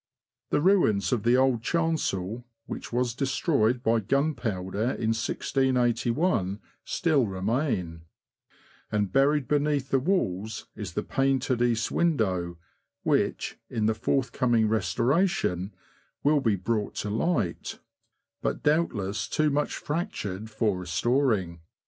The ruins of the old chancel, which was destroyed by gun powder in 1 68 1, still remain; and buried beneath the walls is the painted east window, which, in the forth coming restoration, will be brought to light, but doubt less too much fractured for restoring.